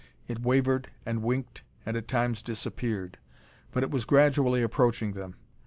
It wavered and winked and at times disappeared, but it was gradually approaching them.